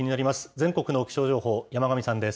全国の気象情報、山神さんです。